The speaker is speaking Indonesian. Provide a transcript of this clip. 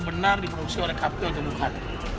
benar diproduksi oleh kpu atau bukan